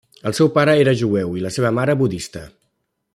El seu pare era jueu i la seva mare budista.